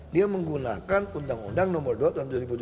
dia menggunakan undang undang nomor dua tahun dua ribu dua